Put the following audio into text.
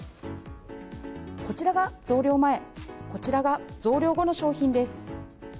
こちらが増量前こちらが増量後の商品です。